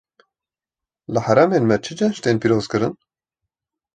Li herêmên me çi cejn tên pîrozkirin?